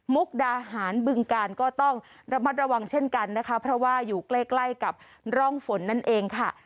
มุกดาหารบึงกาลก็ต้องระมัดระวังเช่นกันนะคะเพราะว่าอยู่ใกล้ใกล้กับร่องฝนนั่นเองค่ะ